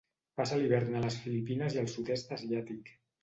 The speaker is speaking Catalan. Passa l'hivern a les Filipines i el Sud-est asiàtic.